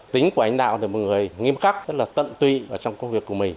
tính của anh đạo là một người nghiêm khắc rất là tận tụy trong công việc của mình